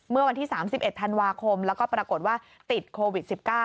เมื่อวันที่๓๑ธันวาคมแล้วก็ปรากฏว่าติดโควิด๑๙